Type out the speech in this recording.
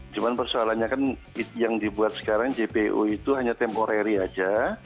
cuma persoalannya kan yang dibuat sekarang jpo itu hanya temporary aja